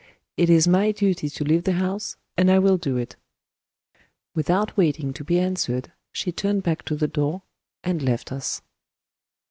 "It is my duty to leave the house and I will do it." Without waiting to be answered, she turned back to the door, and left us.